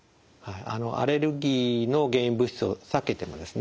アレルギーの原因物質を避けてもですね